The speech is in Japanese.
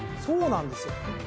そうなんですよ。